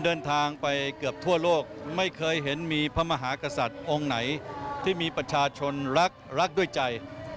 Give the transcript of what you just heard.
ดั่งใจจะมาส่งท่านไปทางสุดท้าย